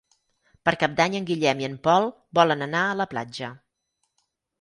Per Cap d'Any en Guillem i en Pol volen anar a la platja.